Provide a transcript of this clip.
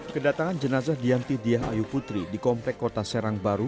kedatangan jenazah dianti diah ayu putri di komplek kota serang baru